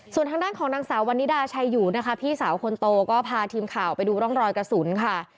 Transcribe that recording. ส่วนทางด้านของนางสาววันนิดาชัยอยู่นะคะพี่สาวคนโตก็พาทีมข่าวไปดูร่องรอยกระสุนค่ะ